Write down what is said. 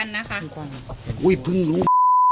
รูพึงรู้